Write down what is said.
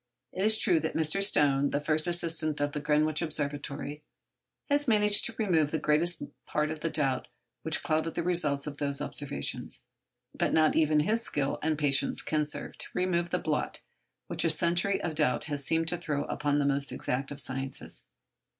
It is true that Mr. Stone, the first assistant at the Greenwich Observatory, has managed to remove the greater part of the doubts which clouded the results of those observations. But not even his skill and patience can serve to remove the blot which a century of doubt has seemed to throw upon the most exact of the sciences.